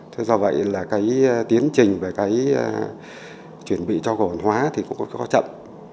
thế do vậy là cái tiến trình và cái chuẩn bị cho cổ phân hóa thì cũng có chậm